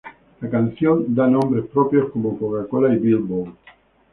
La canción da nombres propios como Coca-Cola y Billboard.